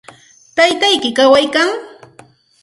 ¿Taytayki kawaykan?